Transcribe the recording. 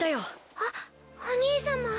あっお兄様。